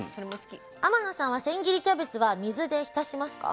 天野さんは千切りキャベツは水で浸しますか？